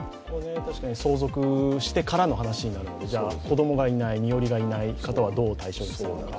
相続してからの話になるので、子供がいない、身寄りがいない方はどう対処するのか。